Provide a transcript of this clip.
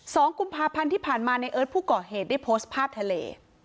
สองกุมภาพันธ์ที่ผ่านมาในเอิร์ทผู้ก่อเหตุได้โพสต์ภาพทะเล